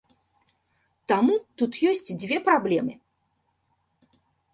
Таму тут ёсць дзве праблемы.